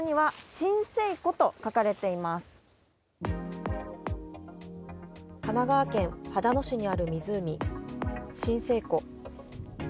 神奈川県秦野市にある湖、震生湖。